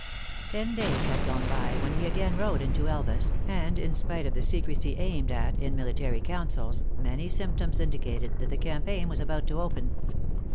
Ten days had gone by when he again rode into Elvas, and in spite of the secrecy aimed at in military coun cils, many symptoms indicated that the campaign was about to open.